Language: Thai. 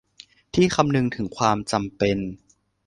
ที่คำนึงถึงความจำเป็น